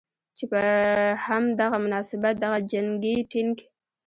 چې په هم دغه مناسبت دغه جنګي ټېنک